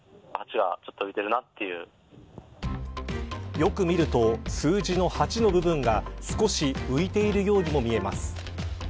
よく見ると、数字の８の部分が少し浮いているようにも見えます。